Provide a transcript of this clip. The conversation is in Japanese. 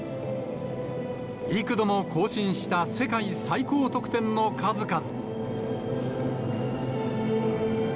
幾度も更新した世界最高得点の数々。